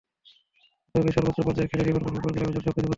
তবে সর্বোচ্চ পর্যায়ে খেলে লিভারপুল ফুটবল ক্লাবের জন্য সবকিছু করতে চাই।